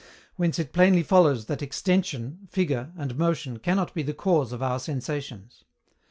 Whence it plainly follows that extension, figure, and motion cannot be the cause of our sensations.